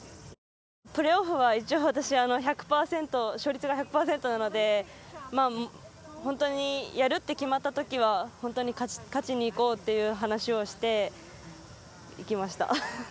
プレーオフは一応私、勝率が１００％なので本当に、やるって決まった時は勝ちにいこうっていう話をしていきました。